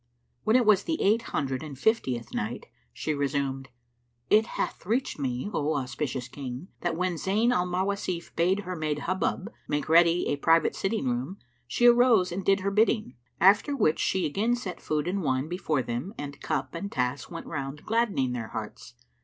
When it was the Eight Hundred and Fiftieth Night, She resumed, It hath reached me, O auspicious King, that when Zayn al Mawasif bade her maid Hubub make ready a private sitting room she arose and did her bidding, after which she again set food and wine before them and cup and tasse went round gladdening their hearts.